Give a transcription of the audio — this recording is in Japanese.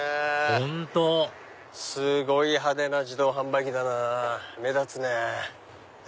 本当すごい派手な自動販売機だなぁ目立つね。